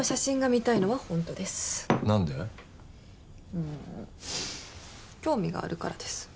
うーん興味があるからです。